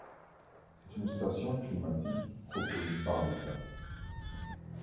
C'est une station climatique reconnue par l'État.